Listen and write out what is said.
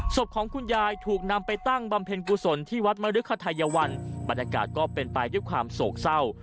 ศพของคุณยายถูกนำไปตั้งบำเพ็ญกุศลที่วัดมริคไทยวันบรรยากาศก็เป็นไปด้วยความโศกเศร้า